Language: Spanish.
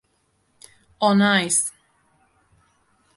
On Ice!